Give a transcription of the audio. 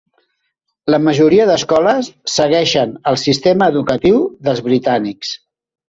La majoria d'escoles segueixen el sistema educatiu dels britànics.